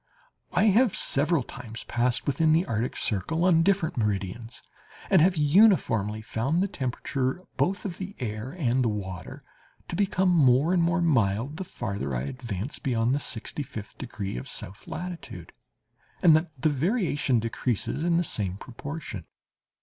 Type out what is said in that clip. I have several times passed within the Antarctic circle, on different meridians, and have uniformly found the temperature, both of the air and the water, to become more and more mild the farther I advanced beyond the sixty fifth degree of south latitude, and that the variation decreases in the same proportion.